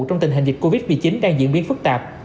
trong tình hình dịch covid một mươi chín đang diễn biến phức tạp